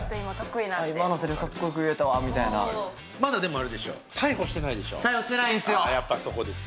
今のせりふかっこよく言えたわみたいなまだでもあれでしょ逮捕してないんすよああやっぱそこですよ